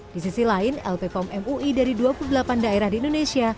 di sisi lain lp pom mui dari dua puluh delapan daerah di indonesia